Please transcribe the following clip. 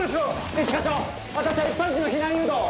一課長私は一般人の避難誘導を。